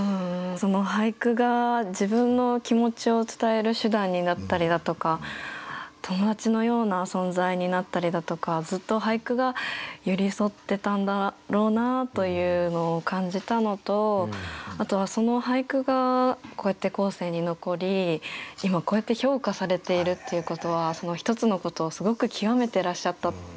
俳句が自分の気持ちを伝える手段になったりだとか友達のような存在になったりだとかずっと俳句が寄り添ってたんだろうなというのを感じたのとあとはその俳句がこうやって後世に残り今こうやって評価されているっていうことはその一つのことをすごく極めてらっしゃったっていうことだと思うので